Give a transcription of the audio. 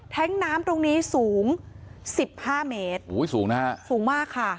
น้ำตรงนี้สูงสิบห้าเมตรอุ้ยสูงนะฮะสูงมากค่ะ